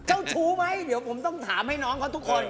เจ้าชู้ไหมเดี๋ยวผมต้องถามให้น้องเขาทุกคน